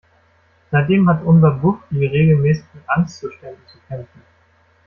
Seitdem hat unser Bufdi regelmäßig mit Angstzuständen zu kämpfen.